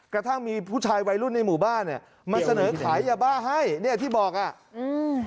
กระทั่งมีผู้ชายวัยรุ่นในหมู่บ้านเนี้ยมาเสนอขายยาบ้าให้เนี้ยที่บอกอ่ะอืม